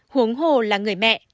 huống hồ là người mẹ